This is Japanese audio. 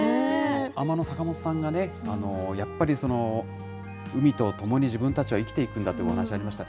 海女の坂本さんがね、やっぱり、海とともに自分たちは生きていくんだってお話ありました。